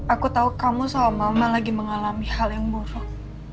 aku tahu kamu sama mama lagi mengalami hal yang buruk